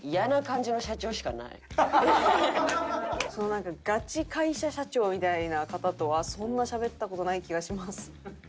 なんかガチ会社社長みたいな方とはそんなしゃべった事ない気がします。